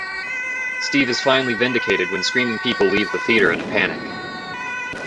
Steve is finally vindicated when screaming people leave the theater in a panic.